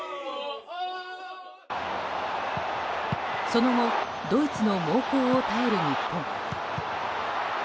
その後ドイツの猛攻を耐える日本。